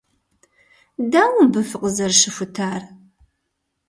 Дауэ мыбы фыкъызэрыщыхутар?